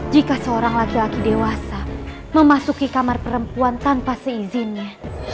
jika seorang laki laki dewasa memasuki kamar perempuan tanpa seizinnya